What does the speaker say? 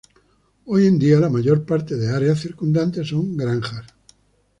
Hoy en día, la mayor parte del área circundante son granjas.